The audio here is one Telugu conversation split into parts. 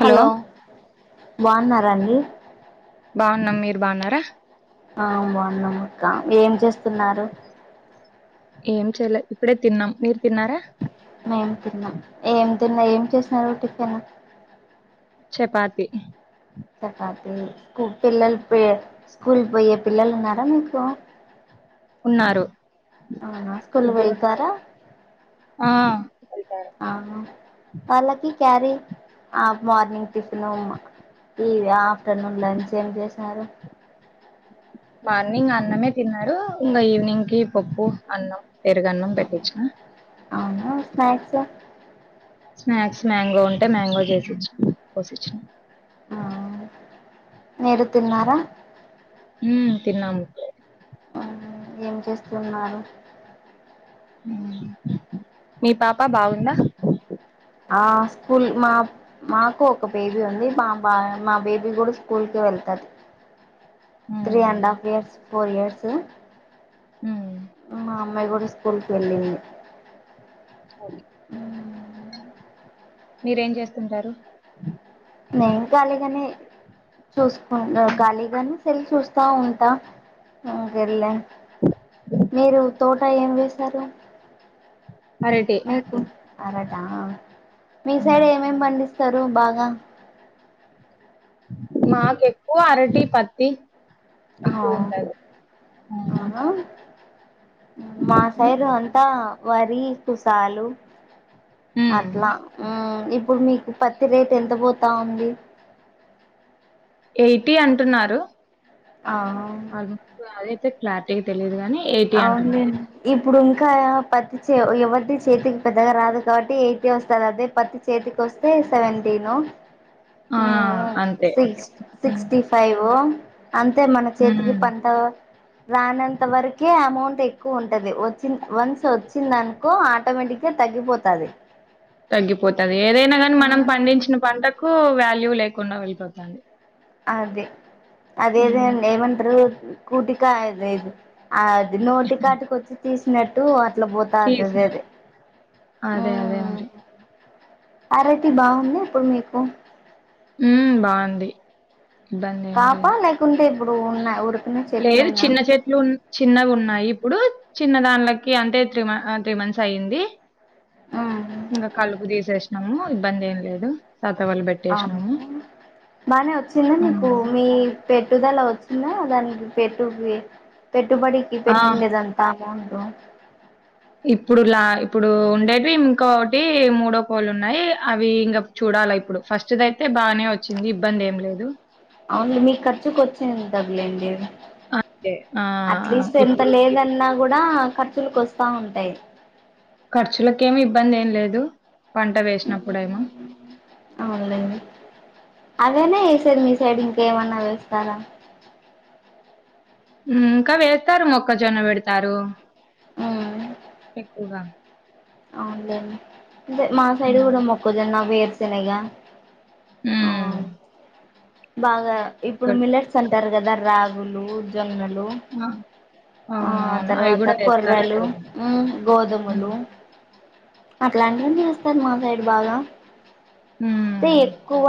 హలో బాగున్నారాండి బాగున్నాం మీరు బాగున్నారా ఆ బాగున్నామక్క ఏం చేస్తున్నారు ఏం చేయలే ఇప్పుడే తిన్నాం మీరు తిన్నారా మేము తిన్నాం ఏం తిన్నా ఏం చేసినారు టిఫిన్ చపాతి చపాతి స్కూ పిల్లలు పోయే స్కూల్ పోయే పిల్లలు ఉన్నారా మీకు ఉన్నారు అవునా స్కూల్ ఇద్దరున్నారు వెళ్తారా ఆ వెళ్తారు ఆ వాళ్ళకి క్యారీ ఆ మార్నింగ్ టిఫిను ఈవి ఆఫ్టర్నూన్ లంచ్ ఏం చేశారు మార్నింగ్ అన్నమే తిన్నారు ఇంగ ఈవినింగ్కి పప్పు అన్నం పెరుగన్నం పెట్టించిన అవునా స్నాక్స్ స్నాక్స్ మ్యాంగో ఉంటే మ్యాంగో చేసిచ్చ కోసీచ్చా ఆ మీరు తిన్నారా ఉ తిన్నాము ఆ, ఏం చేస్తున్నారు మీ పాప బాగుందా ఆ స్కూల్ మా మాకు ఒక బేబీ ఉంది మా బా మా బేబీ కూడా స్కూల్కే వెళ్తది three um, and half years four years um, ఆమె కూడా స్కూల్కి వెళ్ళింది ఓకే మీరేం చేస్తుంటారు నేను ఖాళీగానే చూసుకుంట ఖాళీగానే సెల్ చూస్తా ఉంటా ఉ వెళ్ళ మీరు తోట ఏమి వేసారు అరటి అరటా మీ ఉమ్. సైడ్ ఏమేమ్ పండిస్తారు బాగా మాకు ఎక్కువ అరటి పత్తి ఎక్కువ ఉంటాది అవునా మా ఉమ్, సైరు అంతా వరి కుసాలు ఉమ్. అట్లా ఇప్పుడు మీకు పత్తి రేట్ ఎంత పోతా ఉంది ఎయిటీ అంటున్నారు ఆ అదయితే క్లారిటీగా తెలియదు గాని ఎయిటీ అవును లే అంటున్నారు ఇప్పుడు ఇంకా పత్తి ఎవరి చేతికి పెద్దగా రాదు కాబట్టి అయితే వస్తంది అదే పత్తి చేతికి వస్తే సెవెంటీన్ ఆ అంతే సిక్స్ ఉమ్ సిక్స్టీ ఫైవ్ అంతే మన చేతికి ఉమ్. పంట రానంత వర కే అమౌంట్ ఎక్కువ ఉంటది వచ్చి వన్స్ వచ్చినందానుకో ఆటోమేటిక్గా తగ్గిపోతాది తగ్గిపోతది ఏదైనా కానీ మనం మ్మ్ పండించిన పంటకు వాల్యూ లేకుండా వెళ్ళిపోతంది అదే అదే అదే ఉమ్ అండి ఏమంటారు కూటికా అద ఏది ఆ అది నోటి కాటి కొచ్చి తీసినట్టు అట్లా పోత అదదే తీసినట్టు అదే అదే మరి అరటి బాగుందా ఇప్పుడు మీకు ఉ బాగుంది ఇబ్బంది ఏం పాపా లేదు లేకుంటే ఇప్పుడు ఉన్నాయి ఉడు లేదు చిన్న చే చిన్నవి ఉన్నాయి ఇప్పుడు చిన్న దాన్లకి అంటే త్రీ త్రీ మంత్స్ అయ్యింది. ఇంకా కలుపు తీసేసినాము ఇబ్బంది ఏం లేదు సతా వాళ్ళు పెట్టి అ బానే వచ్చిందా ఆ మీకు మీ పెట్టుదల వచ్చిందా దానికి పెట్టు పెట్టుబడికి ఆ పెట్టింది దాన్ కదా ఇప్పుడు లా ఇప్పుడు ఉండేటివి ఇంకోటి మూడో కోళ్ళు ఉన్నాయి అవి ఇంక చూడాలా ఇప్పుడు ఫస్ట్ దయితే బాగానే వచ్చింది ఇబ్బంది ఏం లేదు అవును మీకు ఖర్చుకు వచ్చింది దగులేండి అంతే. ఆ! అట్లీస్ట్ ఎంత ఇప్పుడు లేదన్నా కూడా ఖర్చులకు వస్తా ఉంటాయి ఖర్చులకి ఏమి ఇబ్బంది ఏం లేదు పంట వేసినప్పుడేమో అవునలేండి అవనే వేసేది మీ సైడ్ ఇంకేమన్నా వేస్తారా ఇంకా వేస్తారు మొక్కజొన్న పెడతారు ఎక్కువగా అవులెండి మా సైడ్ హ్మ్. కూడా మొక్కజన్న వేరు శేనగ ఆ బాగా ఇప్పుడు మిల్లెట్స్ అంటారు కదా రాగులు జొన్నలు ఆ! ఆ అవునవును. అయి తర్వాత గూడా కొర్రలు వేస్తారిక్కడ గూడా. ఉమ్ గోధుమలు హ్మ్. అట్లాంటిన్ని వస్తారు మా సైడ్ బాగా అయితే హ్మ్. ఎక్కువ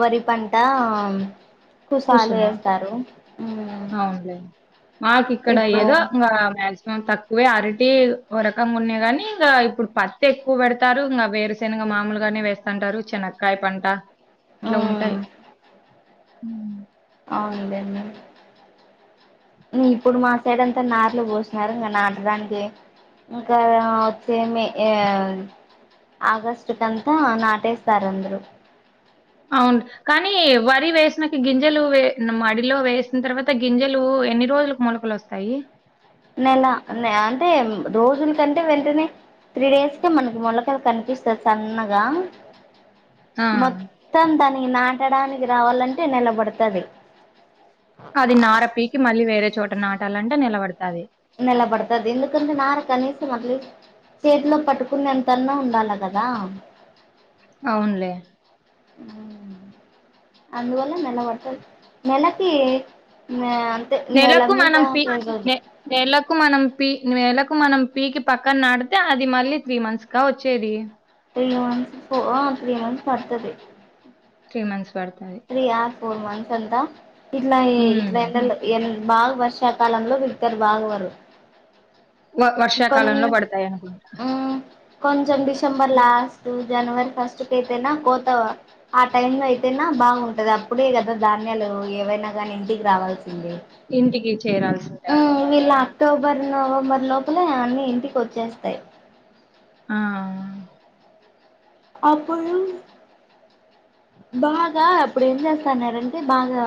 వరి పంట ఎక్కువసాలు కుసుమ. వేస్తారు ఉమ్ అవునులే మాకు ఇక్కడ ఇప్పుడు ఏదో ఇంకా మాక్సిమం తక్కు వే అరటి రకంగా ఉన్నాయి కానీ ఇంకా ఇప్పుడు పత్తి ఎక్కువ పెడతారు ఇంకా వేరుశనగ మామూలుగానే వేస్తా టారు చెనక్కయ పంట ఇట్లా ఉమ్ ఉంటాయి అవును లెండి ఇప్పుడు మా సైడ్ అంతా నార్లు పోస్తున్నారు నాటడానికి ఇంకా వచ్చే మే ఆగస్ట్ కంతా నాటేస్తారు అంద్రరు అవును కానీ వరి వేసినకా గింజలు మడిలో వేసిన తర్వాత గింజలు ఎన్ని రోజులు మొలకలు వస్తాయి నెలా అంటే రోజులకంటే వెంటనే త్రీ డేస్ కి మనకి మొలకలు కనిపిస్తాయి సన్నగా ఆ! మొత్తం దానికి నాటడానికి రావాలంటే నెలబడుతది అది నార పీకి మళ్ళీ వేరే చోట నాటాలంటే నెలబడతాది నల్లబడతారు. ఎందుకంటే నార కనీసం అది చేతిలో పట్టుకునే అంతన్నా ఉండాలా కదా. అవునులే మ్ అందువల్ల నెల పడుతాది. నెలకి నెల నెలకు మీద మనం పీ పది రోజులు. నె నెలకు మనం నెలకు మనం పీకి పక్కన నాటితే అది మళ్ళీ త్రీ మంత్స్ గా వచ్చేది. త్రీ మంత్స్, త్రీ మంత్స్ పడుతాది. త్రీ మంత్స్ పడుతాది. త్రీ ఆర్ ఫోర్ మంత్స్ అంట, హ్మ్ ఇట్లా ఎండలు బాగా వర్షాలు పడితే సకాలంలో పిలుత్తారు బావగారు. వర్షాకాలంలో పడతాయి అనుకుంటా. కొంచెం డిసెంబర్ లో లాస్ట్ జనవరి ఫస్ట్ ఎటైనా పోతావా? ఆ టైమ్ లో అయితేనా బాగుంటాది. అప్పుడే కదా ధాన్యాలు ఏవైనా కాని ఇంటికి రావాల్సింది. ఇంటికి చేరాల్సిన టైమో అదా వీళ్ళు అక్టోబర్, నవంబర్ లోపలే అన్నీ ఇంటికి వచ్చేస్తాయి. ఆ అప్పుడు బాగా, అప్పుడు ఏం చేస్తన్నారు అంటే బాగా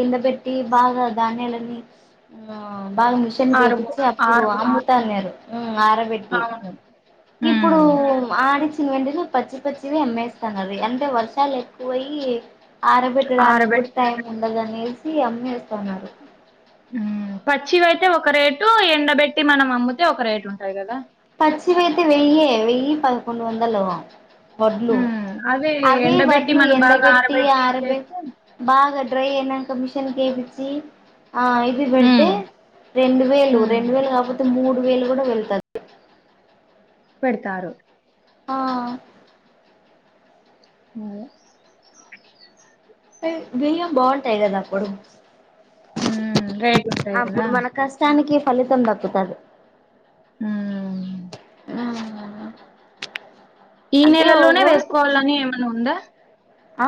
ఎండ పెట్టి బాగా ధాన్యాలన్నీ బాగా మిషన్ ఆరుబో ఏపించి అప్పుడు ఆరుబో అమ్ముతాన్నారు ఆరబెట్టి అవును. ఇప్పుడు హ్మ్. ఆడిచ్చిన వెంటనే పచ్చి పచ్చివే అమ్మేస్తన్నారు. అంటే వర్షాలు ఎక్కువ అయి ఆరబెట్టడానికి గూడ ఆరబెట్ టైం ముందుగానేసి అమ్మేస్తున్నారు. పచ్చివి అయితే ఒక రేటు, ఎండబెట్టి మనం అమ్ముతే ఒక రేటు ఉంటాయి కదా? పచ్చివైతే వెయ్యే, వెయ్యి పదికొండు వందలు వడ్లు హ్మ్. అదే అవే ఎండబెట్టి వడ్లు మనం ఎండ బాగా పెట్టి ఆరబెట్టి ఆర చేస్తే పెట్టీ బాగా డ్రై అయినాక ఇంక మిషన్ కేపిచ్చి ఆ ఇవి పెడితే హ్మ్. రెండు వేలు హ్మ్. రెండు వేలు కాకపోతే మూడు వేలు కూడా పెడతారు. పెడతారు ఆ మరి బియ్యం బాగుంటాయి కదా అప్పుడు. మ్ డ్రై గుంటాయి కదా. అప్పుడు మన కష్టానికి ఫలితం దక్కుతాది. మ్ అ ఈ నెలలోనే వేసుకోవాలని ఏమైన ఉందా? ఆ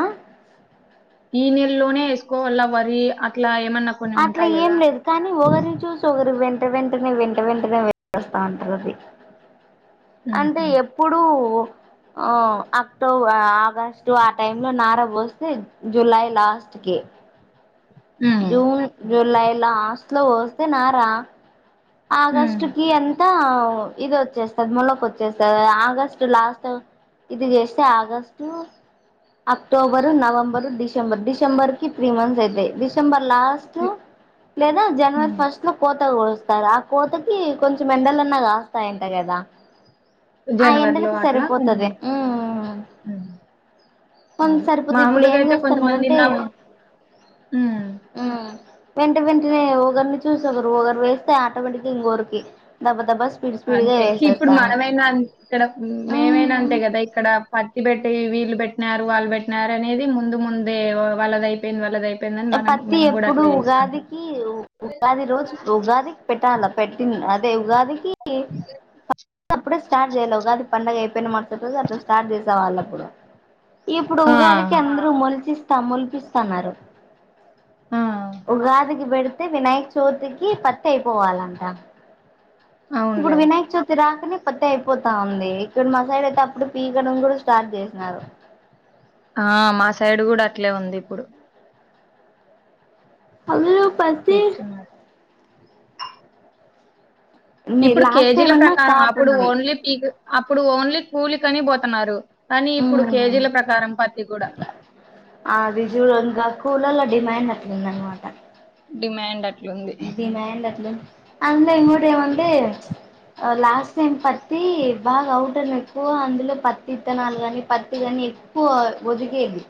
ఈ నెలలోనే వేసుకోవాలా వరి అట్లా ఏమన్నా కొన్ని అట్లా ఉంటాయి ఏం కదా లేదు కానీ ఒకరిని చూసి ఒకరు వెంట వెంటనే వెంట వెంటనే వేసేస్తా ఉంటారు అది. అంటే ఉహు ఎప్పుడూ ఆ అక్టోబర్ ఆగస్టు ఆ టైమ్ లో నారా పోస్తే జులై లాస్ట్ ఒకే ఉమ్ జూన్, జులై లాస్ట్ లో పోస్తే నార ఉమ్ ఆగస్టు కి అంతా ఇది. వస్తుంది. జస్ట్ టర్మ్ లోకి వచ్చేసావే ఆగస్టు లాస్ట్ ఇది చేస్తే August October November December December కి త్రీ మంత్స్ అయితాయి డిసెంబర్ లాస్ట్ లేదా జనవరి ఉమ్ ఫస్ట్ లో కోత కోస్తా కోస్తార ఆ కోతకి కొంచెం ఎండలున్నా కాస్తాయంట కదా ఆ జనవరిలో ఎండలకు అట్లా కొంచెం సరిపోతుది ఉంటుంది. ఉమ్ ఉమ్ మొత్తం అది సరిపోతు ఇప్పుడు మామూలుగా ఏం అయితే చేస్తున్నారు కొంతమంది అంటే నవ ఉమ్ ఉమ్ వెంట వెంటనే ఒకరిని చూసి ఒకరు ఒకరు వే ఆటోమటిక్ ఇంగోరకి దబ దబస్ అంతే ఇప్పుడు మనమైనా ఇక్కడ మేమైనా ఉమ్ అంతే కదా ఇక్కడ పత్తి పెట్టి వీళ్ళు పెట్టినారు వాళ్ళు పెట్టినారు అనేది ముందు ముందే వాళ్ళదై నేను వాళ్లది అయిపోయిందని మనం మేము కూడా అట్లా చేసుకుంటాం మీరు ఉగాది రోజు ఉగాదికి పెట్టాల పెట్టింది అదే ఉగాదికి [unintelligible] అప్పుడే స్టార్ట్ చేయల ఉగాది పండుగ అయిపోయిన మరుసటి రోజు అట్లా స్టార్ట్ చేసేవాళ్ళు అప్పుడు ఇప్పుడు ఆ ఉగాదికి అందరు మొలిపిస్తా మొలిపిస్తున్నారు ఆ ఉగాదికి పెడితే వినాయక్ చవితికి పత్తి అయిపోవాలంట ఇప్పుడు అవునులే వినాయక చౌ చవితి రాకనే పత్తతి అయిపోతా ఉంది ఇక్కడ మా సైడ్ అయితే అప్పుడు పీకడం కూడా స్టార్ట్ చేసినారు ఆ మా సైడ్ కూడా అట్లే ఉంది ఇప్పుడు అల్లు పతి పీక్ ఇప్పుడు లాస్ట్ టైం కేజీల అన్నా ప్రకారం కాపు అప్పుడు ఉంది ఓన్లీ పీకు అప్పుడు ఓన్లీ కూలికని పోతున్నారు కానీ ఇప్పుడు కేజీల ప్రకారం పత్తి కూడా ఆ రిజుల్ ఇంకా కూలల్లో డిమాండ్ అట్లా ఉందన్నమాట డిమాండ్ అట్లుంది డిమాండ్ అట్లు ఉంది అమ్మ ఇంకోటి ఇమ్మంది లాస్ట్ టైమ్ పత్తి బాగా అవుట్ ఎక్కువ అందులో పత్తి ఇత్తనాలు కాని పత్తి కాని ఎక్కు పో ఒదిగేకి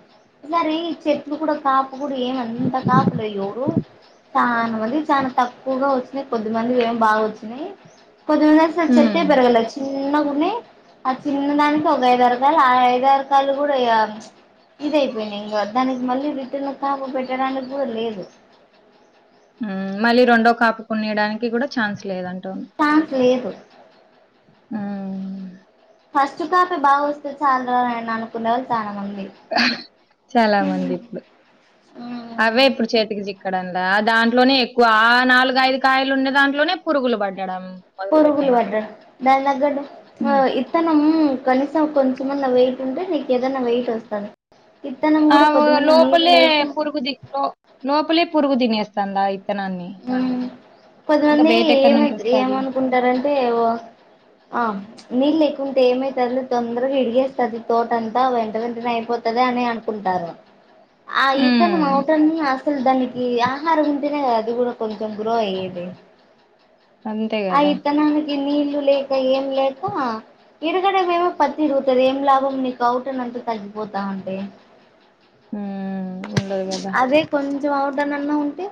సరే ఈ చెట్లు కూడా కాపు కూడా ఏమంత కాపులే ఎవరు స్థానవని చాలా తక్కువగా వచ్చినాయి కొద్దిమంది ఏం బాగా వచ్చినాయి కొద్దిమంది అసలు చెట్టే ఉమ్, పెరగల చిన్నగా ఉన్నాయి ఆ చిన్న దానికి ఒక ఐదు అరకాలు ఆ ఐదు అరకాలు కూడా ఇగా ఇదియిపోయినాయి ఇంకా మొత్తానికి మళ్ళీ రిటర్న్ కాపు పెట్టడానికి కూడా లేదు ఆ మళ్ళీ రెండో కాపు కొనేయడానికి కూడా ఛాన్స్ లేదంటావు ఛాన్స్ లేదు ఉమ్. ఫస్ట్ కాపే బాగా వస్తే చాలు రా నాయనా అనుకునే వాళ్ళు చాలామంది [unintelligible] చాలా మంది ఇప్పుడు ఆ అవే ఇప్పుడు చేతికి చిక్కడందా ఆ దాంట్లోనే ఎక్కువ ఆ నాలుగుఐదు కాయలు ఉండే దాంట్లోనే పురుగులు పడడం పురుగులు పడ్డం దాని తగ్గట్టు మ ఉమ్. ఈ విత్తనం కనీసం కొంచెంమన్నా వెయిట్ ఉంటే నీకు ఏదనా వెయిట్ వస్తాది ఆ లోపలే లేక పురుగు ది లో లోపలే పురుగు తినేస్తుందా అయి ఆ కొద్దిమంది వెయిట్ ఎక్కడి ఏమై నుంచి వస్తది ఏమనుకుంటారంటే ఓ ఆమ్ నీళ్ళు ఎక్కువ ఉంటే ఏమవుతుంది తొందరగా విడిగేస్తుంది తోటంతా వెంట వెంటనే అయిపోతుంది అని అనుకుంటారు ఆ ఇత్తనము హ్మ్ అవటని అసలు దానికి ఆహారం ఉంటేనే కాద అది కూడా కొంచెం గ్రో అయ్యేది అంతే అ కదా ఇత్తనానికి ఈ నీళ్లు లేక ఏం లేక ఎడగడ మేమ పత్తి తిరుగుతది. ఏం లాభం నీకు అవుట్ అని అంతా తగ్గిపోతా ఉంటే హ్మ్ ఉండదు కదా అదే కొంచెం అవడనన్నా ఉంటే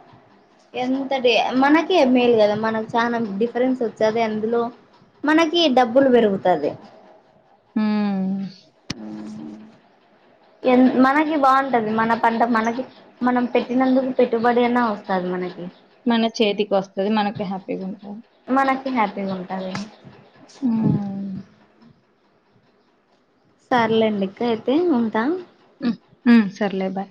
ఎంతది మనకే మేల్ గదా మనం చానా డిఫరెన్స్ ఒచ్చాదే అందులో మనకి డబ్బులు పెరుగుతది. హ్మ్ ఆ ఎన్ మనకి బావుంటది. మన పంట మనకి మనం పెట్టినందుకు పెట్టుబడైనా వస్థాది. మనకి మన చేతికి వోస్తది. మనకు హ్యాపీగా ఉంటంది. మనకి హ్యాపీగుంటది. ఆ సర్లేండి ఇంకా అయితే ఉంటా ఉ ఊ సర్లే బాయ్